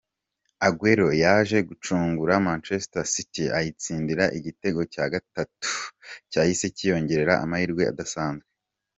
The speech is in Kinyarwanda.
Aguero yaje gucungura Manchester City ayitsindira igitego cya gatatu cyahise kiyongerera amahirwe adasanzwe.